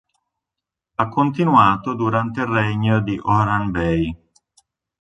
Ha continuato durante il regno di Orhan Bey.